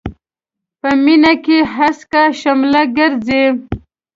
په مينې کې هسکه شمله ګرځي.